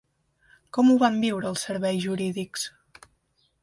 Com ho van viure els serveis jurídics?